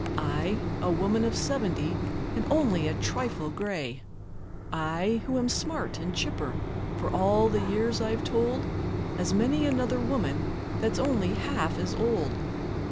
I, a woman of seventy, and only a trifle gray I, who am smart an' chipper, for all the years I've told, As many another woman that's only half as old.